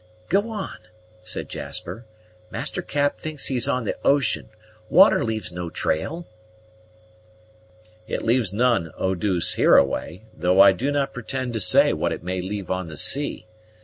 "Go on," said Jasper; "Master Cap thinks he is on the ocean water leaves no trail " "It leaves none, Eau douce, hereaway, though I do not pretend to say what it may leave on the sea.